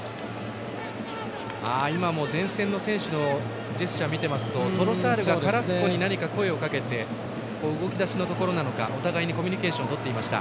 前線の選手のジェスチャーを見ていますとトロサールがカラスコに何か声をかけて動きだしのところなのかお互いにコミュニケーションをとっていました。